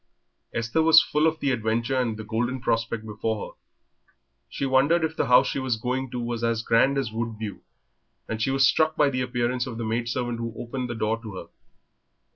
Esther was full of the adventure and the golden prospect before her. She wondered if the house she was going to was as grand as Woodview, and she was struck by the appearance of the maidservant who opened the door to her.